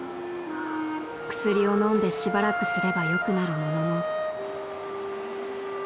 ［薬を飲んでしばらくすれば良くなるものの］